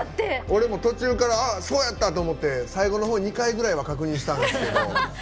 俺も途中からそうやったと思って最後のほう、２回ぐらいは確認したんですけど。